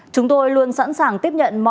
chúng tôi luôn sẵn sàng tiếp nhận mọi thông tin